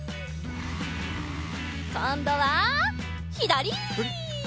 こんどはひだり！